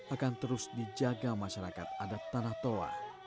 akan terus dijaga masyarakat adat tanah toa